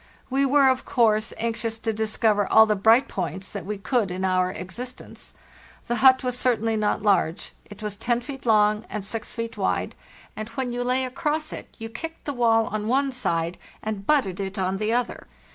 We were, of course, anxious to discover all the bright points that we could in our existence. The hut was certainly not large; it was 10 feet long and 6 feet wide, and when you lay across it you kicked the wall on one side and butted it on the other.